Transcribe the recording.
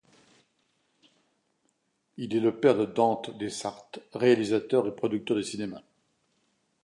Il est le père de Dante Desarthe, réalisateur et producteur de cinéma.